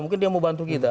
mungkin dia mau bantu kita